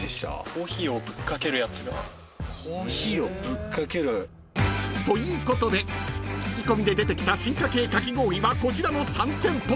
「コーヒーをぶっかける」［ということで聞き込みで出てきた進化形かき氷はこちらの３店舗］